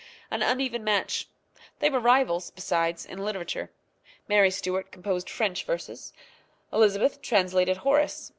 An uneven match. They were rivals, besides, in literature. Mary Stuart composed French verses; Elizabeth translated Horace.